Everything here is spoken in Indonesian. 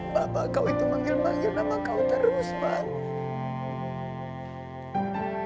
bapak kau itu manggil manggil nama kau terus pak